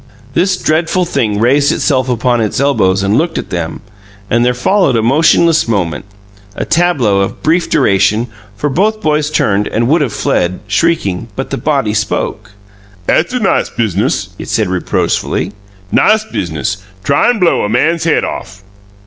This dreadful thing raised itself upon its elbows and looked at them, and there followed a motionless moment a tableau of brief duration, for both boys turned and would have fled, shrieking, but the body spoke: "'At's a nice business!" it said reproachfully. "Nice business! Tryin' blow a man's head off!"